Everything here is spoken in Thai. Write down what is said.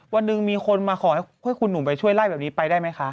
วันหนึ่งมีคนมาขอให้คุณหนุ่มไปช่วยไล่แบบนี้ไปได้ไหมคะ